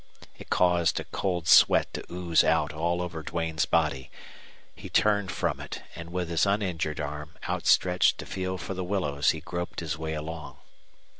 It caused a cold sweat to ooze out all over Duane's body. He turned from it, and with his uninjured arm outstretched to feel for the willows he groped his way along.